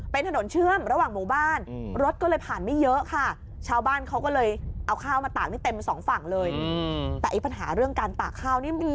เป็นถนนเชื่อมระหว่างหมู่บ้านอืมรถก็เลยผ่านไม่เยอะค่ะ